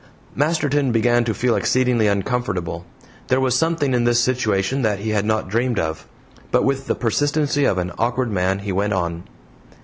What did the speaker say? Masterton began to feel exceedingly uncomfortable. There was something in this situation that he had not dreamed of. But with the persistency of an awkward man he went on.